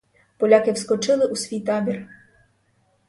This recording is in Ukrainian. Поляки вскочили у свій табір.